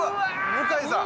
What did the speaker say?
向井さん！